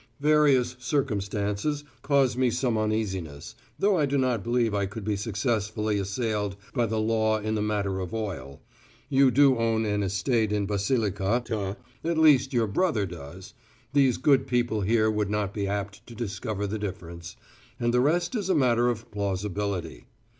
Various circumstances cause me some uneasiness, though I do not believe I could be successfully assailed by the law in the matter of oil. You do own an estate in Basilicata, at least your brother does these good people here would not be apt to discover the difference and the rest is a matter of plausibility.